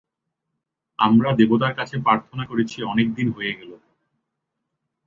আমরা দেবতার কাছে প্রার্থনা করেছি অনেক দিন হয়ে গেলো।